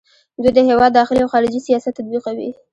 دوی د هیواد داخلي او خارجي سیاست تطبیقوي.